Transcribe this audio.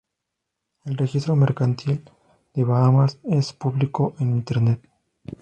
El registro mercantil de Bahamas es público en internet.